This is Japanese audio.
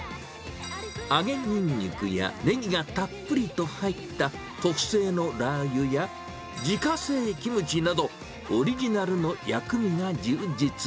揚げにんにくやねぎがたっぷりと入った特製のラー油や、自家製キムチなど、オリジナルの薬味が充実。